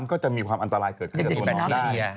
ก็จะมีความอันตรายเกิดขึ้นในตัวน้องได้